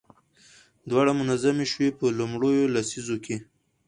دواړه منظمې شوې. په لومړيو لسيزو کې